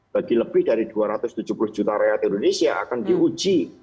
bagi lebih dari dua ratus tujuh puluh juta rakyat indonesia akan diuji